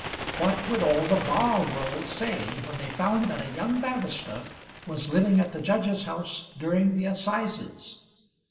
What would all the bar world say when they found that a young barrister was living at the judge's house during the assizes?